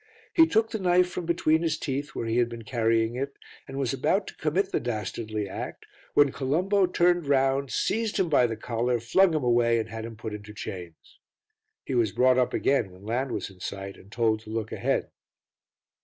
He took the knife from between his teeth where he had been carrying it, and was about to commit the dastardly act when Colombo turned round, seized him by the collar, flung him away and had him put into chains. He was brought up again when land was in sight and told to look ahead.